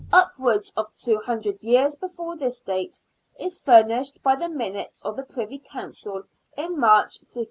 upwards of two hundred years before this date, is furnished by the minutes of the Privy Council in March, 1590.